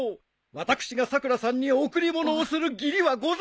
私がさくらさんに贈り物をする義理はございません！